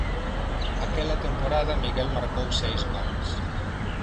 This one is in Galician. Aquela temporada Miguel marcou seis goles.